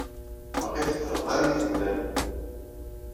Baqi teddreḍ armi temlalem.